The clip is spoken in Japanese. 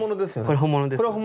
これ本物ですね。